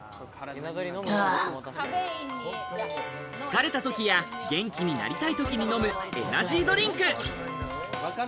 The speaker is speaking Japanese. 疲れたときや、元気になりたいときに飲むエナジードリンク。